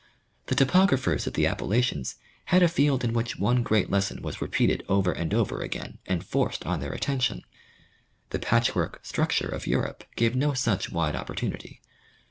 The topographers of the Appalachians had a field in which one great lesson was repeated over and over again and forced on their attention. The patchwork structure of Europe gave no such wide opportunity.